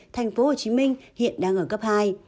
thành phố hồ chí minh hiện đang ở cấp hai